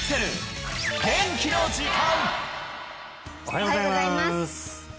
おはようございます